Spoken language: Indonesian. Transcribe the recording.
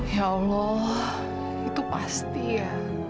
ya allah itu pasti ya